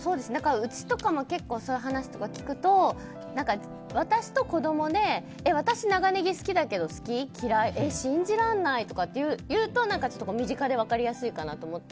うちとかも結構そういう話を聞くと私と子どもで私、長ネギ好きだけど好き？嫌い？え、嫌い？え、信じらんないとかって言うと身近で分かりやすいかなと思って。